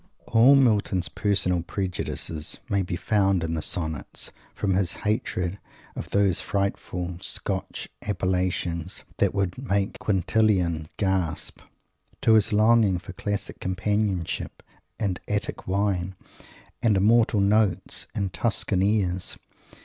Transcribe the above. All Milton's personal prejudices may be found in the Sonnets, from his hatred of those frightful Scotch appellations that would "make Quintlian gasp" to his longing for Classic companionship and "Attic wine" and "immortal notes" and "Tuscan airs"!